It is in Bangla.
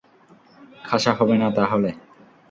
খাসা হবে না তাহলে?